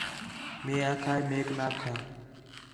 مئے آکھا ہِے میک نا کھا